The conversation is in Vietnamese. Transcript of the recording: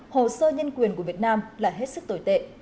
hồ sơ nhân quyền của việt nam là hết sức tồi tệ